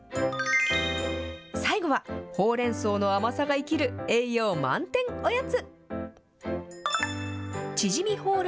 最後は、ほうれんそうの甘さが生きる、栄養満点おやつ。